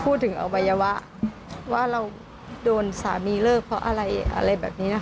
พูดถึงวัยวะว่าเราโดนสามีเลิกเพราะอะไรแบบนี้นะคะ